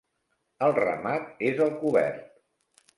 El ramat és al cobert.